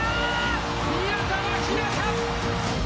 宮澤ひなた！